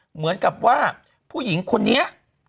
เหมือนกับว่าผู้หญิงคนนี้